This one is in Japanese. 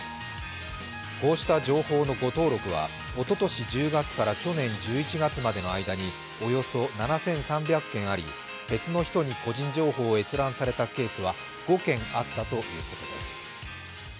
こうした情報のご登録はおととし１０月から去年１１月までの間に、およそ７３００件あり、別の人に個人情報を閲覧されたケースは５件あったということです。